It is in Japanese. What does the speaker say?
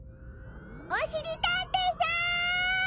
おしりたんていさん！